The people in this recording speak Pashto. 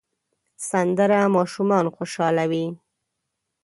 سندره ماشومان خوشحالوي